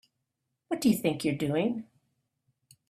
What do you think you're doing?